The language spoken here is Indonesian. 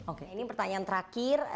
oke ini pertanyaan terakhir